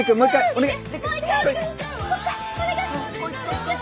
お願い！